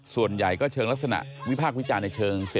ส่วนใหญ่ก็เชิงลักษณะวิภาควิจารณ์ในช่วงนี้นะครับ